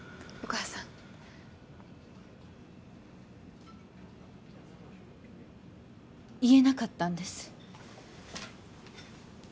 お母さん言えなかったんです